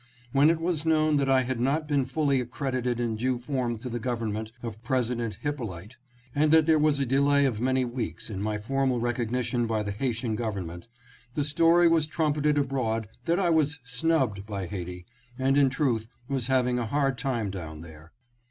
When it was known that I had not been fully accredited in due form to the Government of President Hyppolite and that there was a delay of many weeks in my formal recognition by the Haitian government, the story was trumpeted abroad that I was " snubbed " by Ha'iti, and in truth was having a hard time down there.